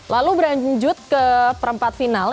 lalu berlanjut ke perempat final